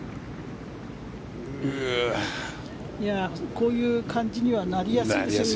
こういう感じにはなりやすいですよね。